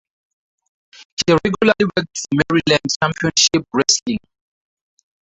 She regularly worked for Maryland Championship Wrestling.